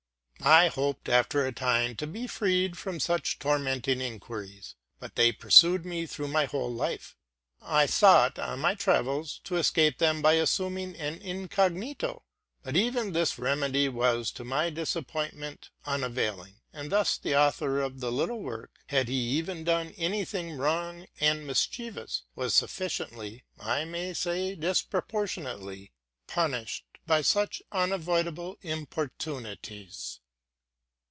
I hoped, after a time, to be freed 'from such tormenting inquiries ; but they pursued me through my whole life. I endeavored, on my travels, to escape from them, by assuming an incognito ; but even this remedy was, to my disappointment, unavail ing: and thus the author of the little work, had he even done any thing wrong and mischievous, was sufficiently, I may say disproportionately, punished by such unavoidable importunities.